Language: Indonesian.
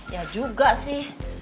ya juga sih